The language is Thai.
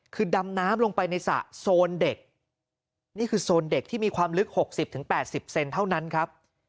คือดำน้ำลงไปในสระโซนเด็กนี่คือโซนเด็กที่มีความลึก๖๐๘๐เซนเท่านั้นครับ